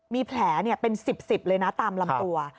มีแผลเป็น๑๐๑๐เลยนะตามลำตัว